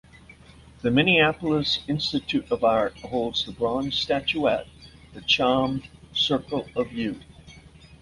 The Minneapolis Institute of Art holds her bronze statuette "The Charmed Circle of Youth".